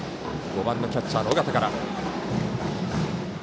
５番キャッチャーの尾形から。